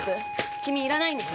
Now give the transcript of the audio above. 君、いらないんでしょ？